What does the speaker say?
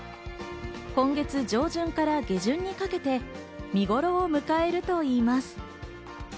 今月上旬から下旬にかけて見頃を迎えるといいます。